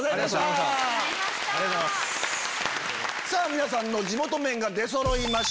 皆さんの地元麺が出そろいました。